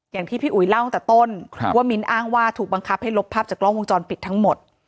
อย่างที่พี่อุ๋ยเล่าตั้งแต่ต้นว่ามิ้นอ้างว่าถูกบังคับให้ลบภาพจากกล้องวงจรปิดทั้งหมด